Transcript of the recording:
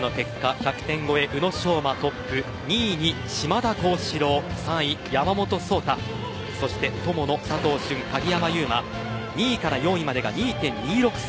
１００点超え、宇野昌磨トップ２位に島田高志郎３位・山本草太そして友野、佐藤駿、鍵山優真２位から４位までが２．２６差。